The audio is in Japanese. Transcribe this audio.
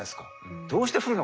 どうして降るのかと。